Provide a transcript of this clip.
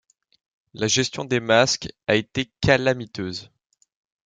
La gestion des masques a été calamiteuse.